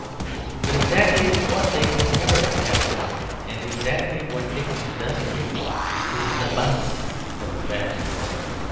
But exactly what they could never have given, and exactly what Dickens does give, is the bounce of Trabb's boy.